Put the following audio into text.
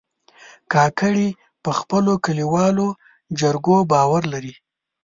کاکړي په خپلو کلیوالو جرګو باور لري.